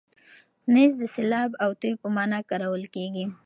نیز د سیلاب او توی په مانا کارول کېږي.